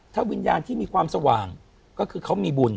ถ้าวิญญาณที่มีความสว่างก็คือเขามีบุญ